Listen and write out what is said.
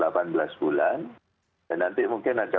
bulan dan nanti mungkin ada